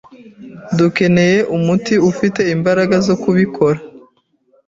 Dukeneye umuntu ufite imbaraga zo kubikora.